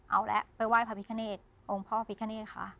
เอาแล้วไปไหว่พระพิฆเนตอพิฆเนตคะ